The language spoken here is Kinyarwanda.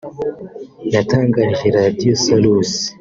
yatangarije Radio Salus